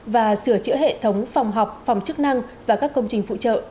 và sửa chữa hệ thống phòng học phòng chức năng và các công trình phụ trợ